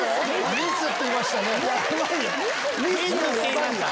「ミス」って言いました。